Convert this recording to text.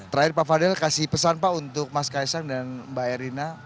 terakhir pak fadil kasih pesan pak untuk mas kaisang dan mbak erina